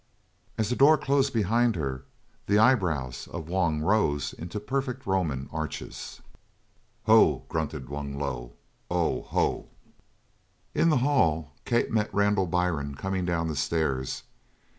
As the door closed behind her, the eye brows of Wung rose into perfect Roman arches. "Ho!" grunted Wung Lu, "O ho!" In the hall Kate met Randall Byrne coming down the stairs.